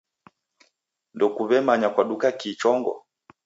Ndekuw'emanya kwaduka kii chongo?